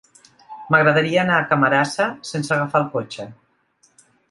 M'agradaria anar a Camarasa sense agafar el cotxe.